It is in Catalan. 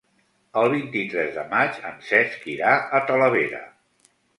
El vint-i-tres de maig en Cesc irà a Talavera.